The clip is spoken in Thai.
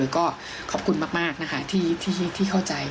ก็ขอบคุณมากนะคะที่เข้าใจ